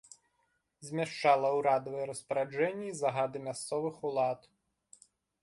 Змяшчала ўрадавыя распараджэнні і загады мясцовых улад.